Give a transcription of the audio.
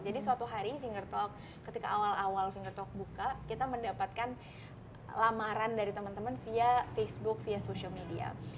jadi suatu hari ketika awal awal fingertalk buka kita mendapatkan lamaran dari teman teman via facebook via social media